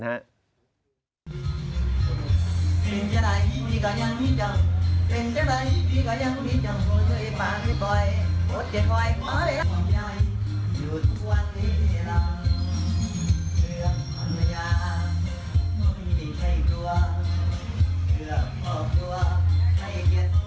อยู่ทุกวันให้เรา